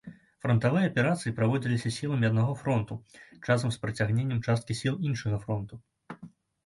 Франтавыя аперацыі праводзіліся сіламі аднаго фронту, часам з прыцягненнем часткі сіл іншага фронту.